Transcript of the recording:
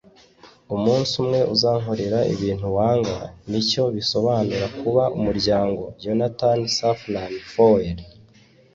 umunsi umwe uzankorera ibintu wanga. nicyo bisobanura kuba umuryango. - jonathan safran foer